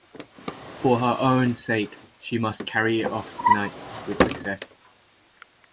For her own sake, she must carry it off tonight with success.